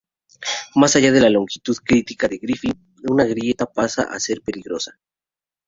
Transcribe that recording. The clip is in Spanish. Más allá de la longitud crítica de Griffith, una grieta pasa a ser peligrosa.